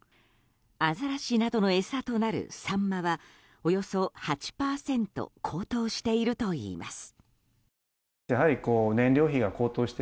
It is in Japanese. アザラシなどの餌となるサンマはおよそ８％高騰しているといいます。